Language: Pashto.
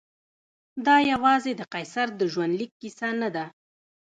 دا یوازې د قیصر د ژوندلیک کیسه نه ده.